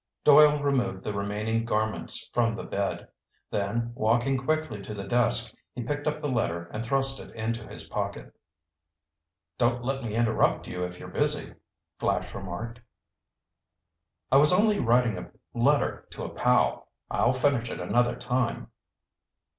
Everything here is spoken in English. Doyle removed the remaining garments from the bed. Then, walking quickly to the desk, he picked up the letter, and thrust it into his pocket. "Don't let me interrupt you if you're busy," Flash remarked. "I was only writing a letter to a pal. I'll finish it another time."